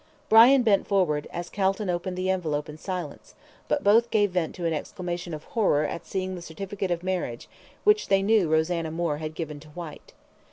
Brian bent forward, as Calton opened the envelope in silence, but both gave vent to an exclamation of horror at seeing the certificate of marriage which they knew Rosanna Moore had given to Whyte.